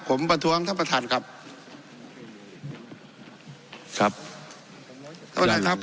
ผมประท้วงท่านประธานครับครับท่านประธานครับ